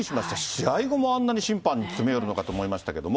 試合後もあんなに審判に詰め寄るのかと思いましたけど。